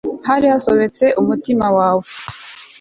hari hasobetse umutima wawe